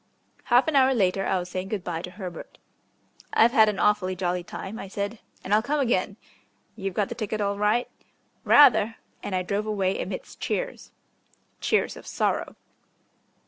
Half an hour later I was saying good bye to Herbert. "I've had an awfully jolly time," I said, "and I'll come again." "You've got the ticket all right?" "Rather!" and I drove away amidst cheers. Cheers of sorrow.